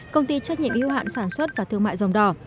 công ty trách nhiệm yêu hạn sản xuất và thương mại dòng đỏ